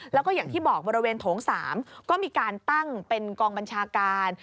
แล้วก็อย่างที่บอกบริเวณโถง๓ก็มีการตั้งเป็นกองบัญชาการ